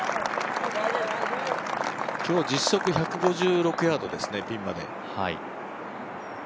今日は実測１５６ヤードですねピンまで。